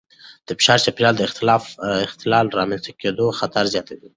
د فشار چاپېریال د اختلال د رامنځته کېدو خطر زیاتوي.